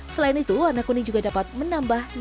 selain itu warna kuning juga dapat menambah nafsu makan